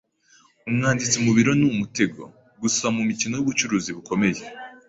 Umwanditsi mu biro ni umutego gusa mumikino yubucuruzi bukomeye.